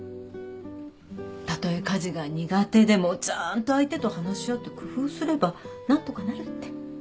たとえ家事が苦手でもちゃんと相手と話し合って工夫すれば何とかなるって。